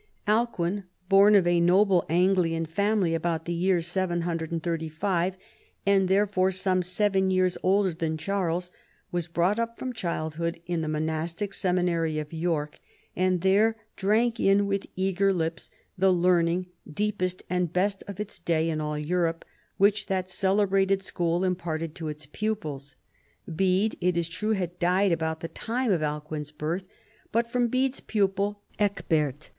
Alcuin, born of a noble Anglian family about the year 735, and therefore some seven years older than Charles, was brought up from childhood in the mon astic seminary of York, and there drank in with eager lips the learning, deepest and best of its day in all Europe, which that celebrated school imparted to its pupils. Bede, it is true, had died about the time of Alcuin's birth, but from Bede's pupil Ecg bert.